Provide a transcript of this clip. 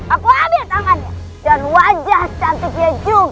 aku ada tangannya dan wajah cantiknya juga